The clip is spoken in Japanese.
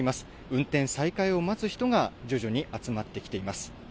運転再開を待つ人が徐々に集まってきています。